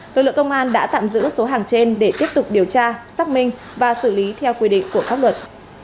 lực lượng công an đã tạm giữ số hàng trên để tiếp tục điều tra xác minh và xử lý theo quy định của pháp luật